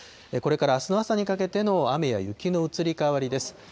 これからあす朝にかけての雨や雪の移り変わりです。